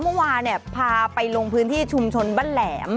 เมื่อวานพาไปลงพื้นที่ชุมชนบ้านแหลม